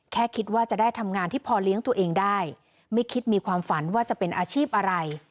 แค่คิดว่าจะได้ทำงานที่พอเลี้ยงตัวเองได้ไม่คิดมีความฝันว่าจะเป็นอาชีพอะไร